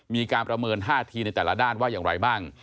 มีการประเมินท่าทีในแต่ละด้านว่าอย่างไรบ้าง